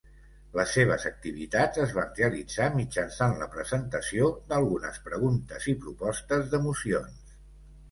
Les seves activitats es van realitzar mitjançant la presentació d'algunes preguntes i propostes de mocions.